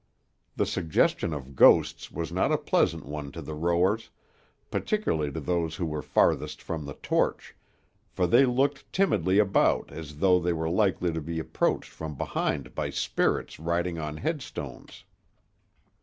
The suggestion of ghosts was not a pleasant one to the rowers, particularly to those who were farthest from the torch, for they looked timidly about as though they were likely to be approached from behind by spirits riding on headstones.